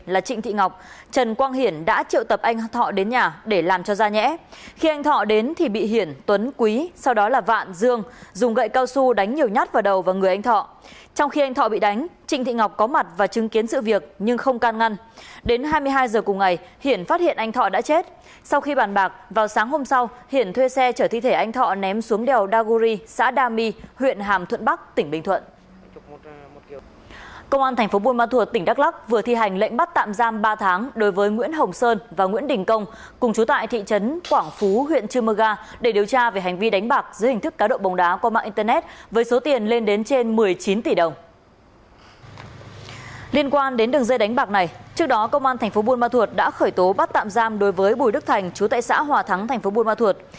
liên quan đến đường dây đánh bạc này trước đó công an tp buôn ma thuột đã khởi tố bắt tạm giam đối với bùi đức thành chú tại xã hòa thắng tp buôn ma thuột